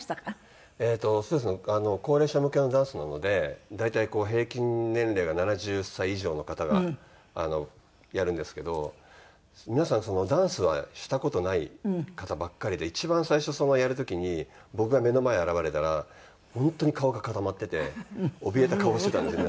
高齢者向けのダンスなので大体平均年齢が７０歳以上の方がやるんですけど皆さんダンスはした事ない方ばっかりで一番最初やる時に僕が目の前現れたら本当に顔が固まってておびえた顔をしてたんですよ